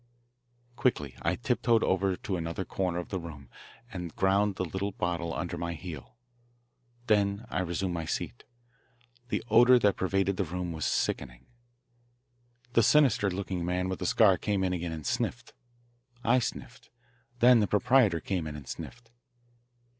Quickly I tiptoed over to another corner of the room and ground the little bottle under my heel. Then I resumed my seat. The odour that pervaded the room was sickening. The sinister looking man with the scar came in again and sniffed. I sniffed. Then the proprietor came in and sniffed.